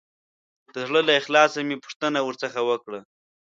د زړه له اخلاصه مې پوښتنه ورڅخه وکړه.